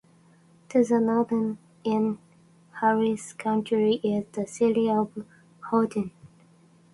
To the north in Harris County is the city of Houston.